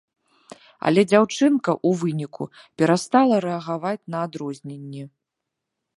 Але дзяўчынка ў выніку перастала рэагаваць на адрозненні.